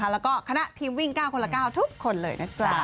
แล้วก็คณะทีมวิ่ง๙คนละ๙ทุกคนเลยนะจ๊ะ